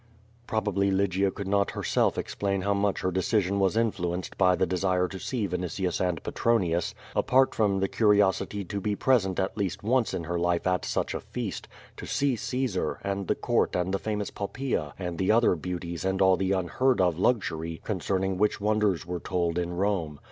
Probably Lygia could not herself explain how much her decision was influenced by the desire to see Vinitius and Pe tronius, apart from the curiosity to be present at least once in her life at such a feast, to see Caesar, and the court and the famous Poppaea and the other beauties and all the unheard of luxury concerning which wonders were told in Rome.